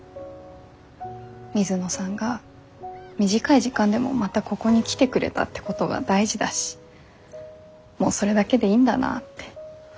水野さんが短い時間でもまたここに来てくれたってことが大事だしもうそれだけでいいんだなって。